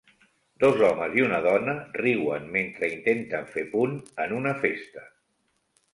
Dos homes i una dona riuen mentre intenten fer punt en una festa.